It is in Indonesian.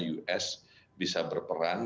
us bisa berperan